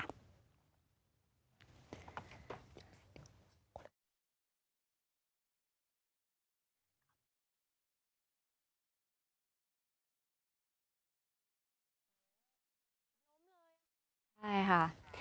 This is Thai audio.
ใช่ค่ะ